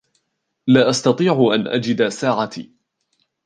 لا أستطيع أن أجد ساعتي.